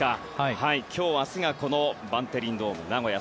今日、明日がバンテリンドームナゴヤ。